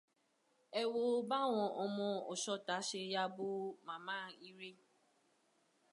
Ẹ wo báwọn ọmọ ọ̀ṣọtà ṣe ya bó màmá Ire.